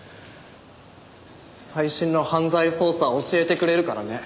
最新の犯罪捜査を教えてくれるからね。